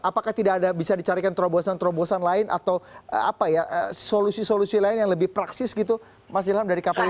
apakah tidak ada bisa dicarikan terobosan terobosan lain atau apa ya solusi solusi lain yang lebih praksis gitu mas ilham dari kpu